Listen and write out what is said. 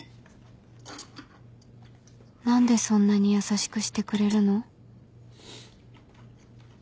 何でそんなに優しくしてくれるの？